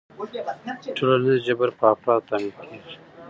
ټولنیز جبر په افرادو تحمیل کېږي.